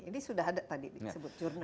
ini sudah ada tadi disebut jurnalis